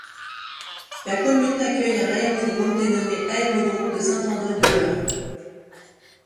La commune accueille un aérodrome dénommé aérodrome de Saint-André-de-l'Eure.